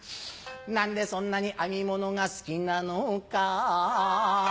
何でそんなに編み物が好きなのかハァ！